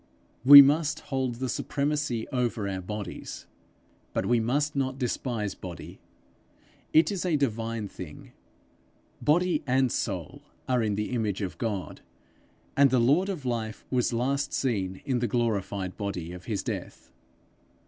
We must hold the supremacy over our bodies, but we must not despise body; it is a divine thing. Body and soul are in the image of God; and the lord of life was last seen in the glorified body of his death.